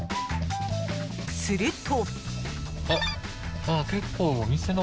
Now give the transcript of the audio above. すると。